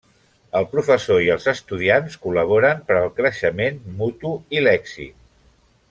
El professor i els estudiants col·laboren per al creixement mutu i l'èxit.